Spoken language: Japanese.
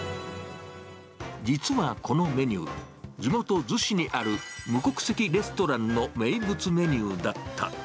実はこのメニュー、地元、逗子にある無国籍レストランの名物メニューだった。